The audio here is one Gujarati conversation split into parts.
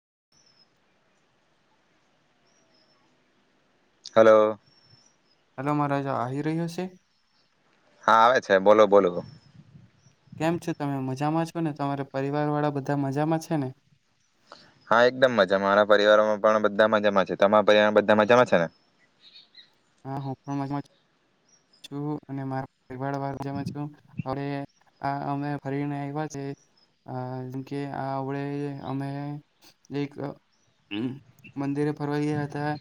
[inaudible] હલો હલો માારો અવાજ આવી રહ્યો છે હા આવે છે બોલો બોલો કેમ છે તમે મજામાં છો ને તમારા પરિવાર વાળા બધા મજામાં છે ને હા એકદમ મજા મારા પરિવારોમાં પણ બધામાંજા છે તમારા પરિવારમાં બધામાંજામાં છે ને હ હુંમજામાં છું અને આ અમે ફરીને આવ્યા છે જેમ કે આડે અમે એક મંદિરે ફરવા ગયા હતા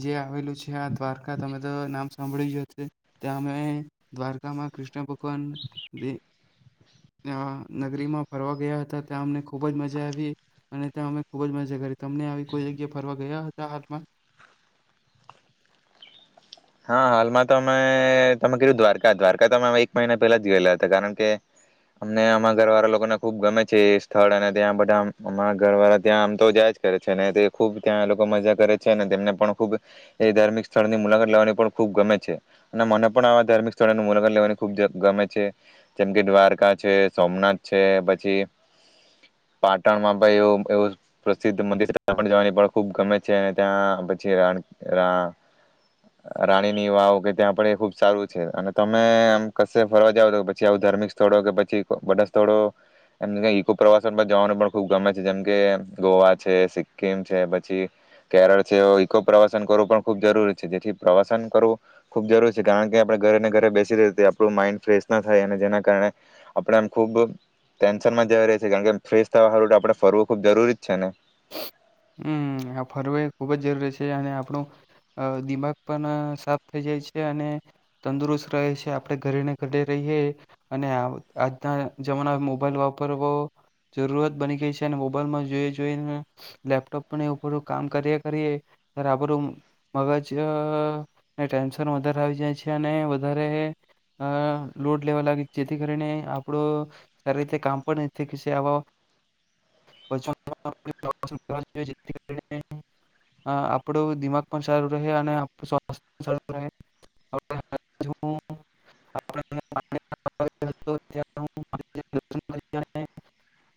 જે આવેલું છે આ દ્વાર તમે તો નામ સાંભળ્યું ત્યાં અમે દ્વારકામાં કૃષ્ણ ભગવાન નગરીમાં ફરવા ગયા હતા ત્યાં અમને ખુબ જ મજા આવી અને ત્યાં અમે ખુબ જ મજા કરી તમને આવી કોઈ જગ્યા ફરવા ગયા હતા હાલમાં હા હાલમાં તો અમે તમે કું દ્વારકા દ્વારકા તો અમે એક મહિના પેલા જ ગયેલા હતા કારણ કે અમને અ ઘરવાળા લોકોને ખુબ ગમે છે એ સ્થળ અને ત્યાં બધા અમારા ઘરવાળા ત્યાં આમ તો જયા જ કરે છે ને તે ખુબ ત્યાં લોકો મજા કરે છે અને તેમને પણ ખુબ એ ધાર્મિક સ્થળની મુલાકાત લાવવાની ખૂબ ગમે છે અને મને પણ આવા ધાર્મિક સ્થળો મુલાકાત લેવાની ખૂબ ગમે છે જેમ કે દ્વારકા છે સોમનાથ છે પછી પાટણમાં પણ એવું એવું પ્રસિદ્ધ મંદિર જવાની પણ ખૂબ ગમે છે અને ત્યાં પછી રાણીની વાવ કે ત્યાં પણ એ ખુબ સારું છે અને તમે આમ કશે ફરવા જાવ તો પછી આવું ધાર્મિક સ્થળો કે પછી બધા સ્થળો એમ ઈકો પ્રવાસન પર જવાનું પણ ખુબ ગમે છે જેમ કે ગોવા છે સિક્કિમ છે પછી કેરળ છે એ ઈકો પ્રવાસન કરવું પણ ખૂબ જરૂરી છે જેથી પ્રવાસન કરવું ખૂબ જરૂરી છે કારણ કે આપણે ઘરેને ઘરે બેસી રીએ તે આપણું માઈન્ડ ફ્રેશ ના થાય અને જેના કારણે આપણે આમ ખૂબ ટેન્શન માં [inaudible] કારણ કે ફ્રેશ થવાળું તો આપણે ફરવું ખૂબ જરૂરી જ છે ને? હમ આ ફરવે ખુબ જ જરૂરી છે અને આપણું દિમાગ પણ સાફ થઈ જાય છે અને તંદુરસ્ત રહે છે. આપણે ઘરેને ઘરે રહીએ અને આજના જમાનામાં મોબાઈલ વાપરવો જરૂરત બની ગઈ છે અને મોબાઈલમાં જોઈએ જોઈને લેપટોપને ઉપરું કામ કર્યા કરીએ ત્યારે આપણું મગજ ટેન્શન વધારે આવી જાય છે અને વધારે લોડ લેવા લાગી જેથી કરીને આપડું સારી રીતે કામ પણ નથી [inaudible] [inaudible] આપણો દિમાગ પણ સારું રહે અને [inaudible]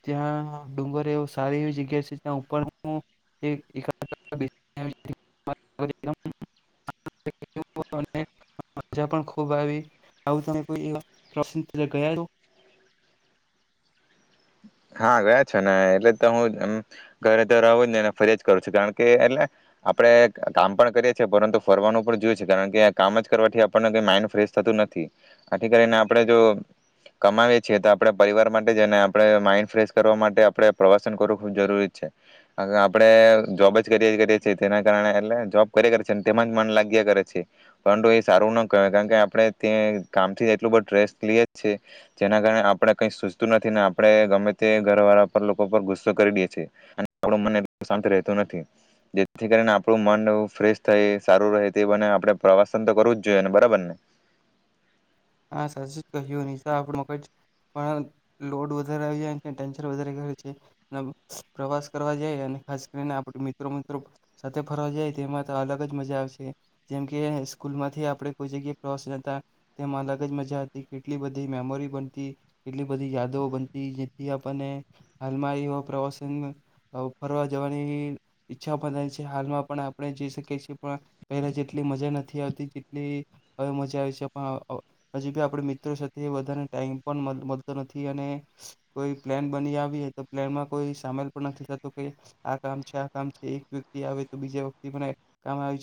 જ્યાં ડુંગર એવુ સારી એવી [unintelligible] [inaudible] જ્યાં પણ ખુબ આવી [inaudible] હા ગયા છે ને એટલે તો હુંમ ઘરે તો રહું જ ની ફર્યા જ કરું છું કારણ કે એટલે આપણે કામ પણ કરીએ છીએ પરંતુ ફરવાનું પણ જોય છે કારણ કે કામ જ કરવાથી આપણને કઇ માઈન્ડ ફ્રેશ થતું નથી આથી કરીને આપણે જો કમાવીએ છીએ તો આપણે પરિવાર માટે જ એને આપડે માઇન્ડ ફ્રેશ કરવા માટે આપણે પ્રવાસન કરવું ખૂબ જરૂરી છે. આપણે જોબ જ કર્યા કરીએ છીએ તેના કારણે એટલે જોબ કરીએ છીએ છે ને તેમાં જ મન લાગ્યા કરે છે પરંતુ એ સારું ના કહેવાય કારણ કે આપણે તે કામથી એટલું બધુ સ્ટ્રેસ લીએ જ છીએ જેના કારણે આપણે કઈ સૂઝતું નથી ને આપણે ગમે તે ઘર વાળા પર લોકો પર ગુસ્સો કરી દે છે અને આપું મન શાંત રહેતું નથી જેથી કરીને આપણું મન ફ્રેશ થાય સારું રહે તે બને આપણે પ્રવાસન તો કરવું જ જોઈએ બરાબર ને? હા સાચુ જ કહ્યું નહી તો [inaudible] લોડ વધારે આવી જાય ટેન્શન વધારે [inaudible] છે. પ્રવાસ કરવા જઈએ અને ખાસ કરીને આપડ મિત્રો મિત્રો સાથે ફરવા જાય તેમાં તો અલગ જ મજા આવે છે. જેમ કે સ્કૂલ માંથી આપણે કોઈ જગ્યા પ્રવાસ જતા તેમાં અલગ કેટલી બધી મેમોરી બનતી કેટલી બધી યાદો બનતી જેથી આપણને હાલમાં એવા પ્રવાસન ફરવા જવાની ઈચ્છા પણ થાય છે. હાલમાં પણ આપણે જઈ શકીએ છીએ પણ પહેલા જેટલી મજા નથી આવતી જેટલી હવે મજા આવે છે પણ હજી બી આપડે મિત્રો સાથે વધારે ટાઈમ પણ મળતો નથી અને કોઈ પ્લાન બની આવી તો પ્લાનમાં કોઈ સામેલ પણ નથી થતો કે આ કામ છે આ કામ છે એક વ્યક્તિ આવે તો બીજા વ્યક્તિ પણ કામ આવે